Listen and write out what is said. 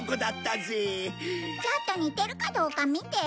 ちょっと似てるかどうか見て。